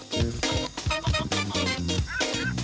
ใหญ่